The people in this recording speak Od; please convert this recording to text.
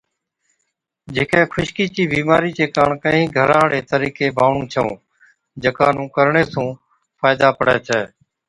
جھِڪي خُشڪِي چِي بِيمارِي چي ڪاڻ ڪهِين گھران هاڙي طرِيقي بانوَڻُون ڇئُون جڪا نُون ڪرڻي سُون فائِدا پڙَي ڇَي۔